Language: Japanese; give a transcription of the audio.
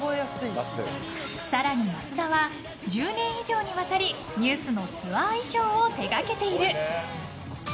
更に増田は１０年以上にわたりＮＥＷＳのツアー衣装を手がけている。